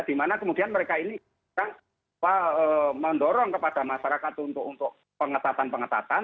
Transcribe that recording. di mana kemudian mereka ini mendorong kepada masyarakat untuk pengetatan pengetatan